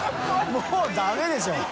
もうダメでしょ。